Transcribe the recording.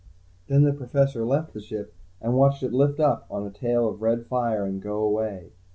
Then the Professor left the ship and watched it lift up on a tail of red fire and go away.